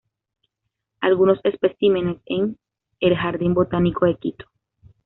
Algunos especímenes en el ""Jardín botánico de Quito"".